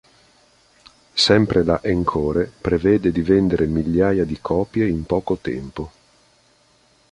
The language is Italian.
Sempre la Encore prevede di vendere migliaia di copie in poco tempo.